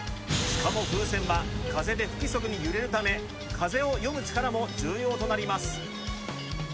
しかも風船は風で不規則に揺れるため風を読む力も重要となります。